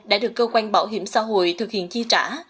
đã được cơ quan bảo hiểm xã hội thực hiện chi trả